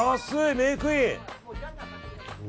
メークイン。